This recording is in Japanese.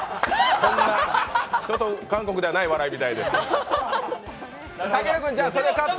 ちょっと韓国ではない笑いみたいです。